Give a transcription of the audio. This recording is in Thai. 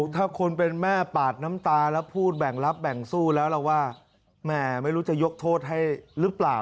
ถ้าคนเป็นแม่ปาดน้ำตาแล้วพูดแบ่งรับแบ่งสู้แล้วเราว่าแม่ไม่รู้จะยกโทษให้หรือเปล่า